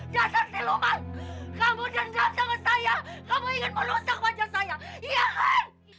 jahatnya seluman kamu janggap sama saya kamu ingin melusak wajah saya iya kan